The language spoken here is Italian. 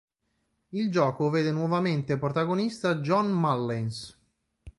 Il gioco vede nuovamente protagonista John Mullins.